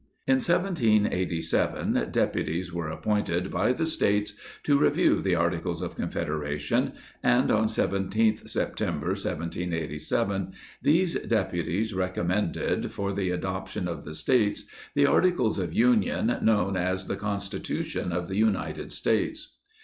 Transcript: In 1787, Deputies were appointed by the States to revise the Articles of Confederation, and on 17th September, 1787, these Deputies recommended, for the adoption of the States, the Articles of Union, known as the Constitution of the United States.